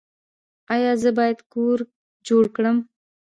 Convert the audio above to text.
ایا زه باید کور جوړ کړم؟